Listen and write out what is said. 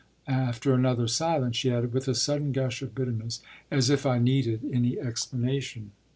” After another silence she added, with a sudden gush of bitterness: “As if I needed any explanation!